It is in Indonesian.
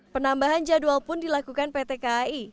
penambahan jadwal pun dilakukan pt kai